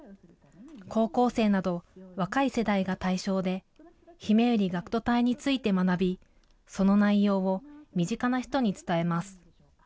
高校生など若い世代が対象で、ひめゆり学徒隊について学び、その内容を身近な人に伝えます。